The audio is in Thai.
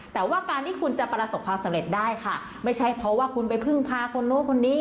แต่ว่าการที่คุณจะประสบความสำเร็จได้ค่ะไม่ใช่เพราะว่าคุณไปพึ่งพาคนนู้นคนนี้